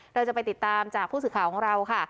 เราจะไปติดตามจากผู้สื่อข่าวของเราค่ะ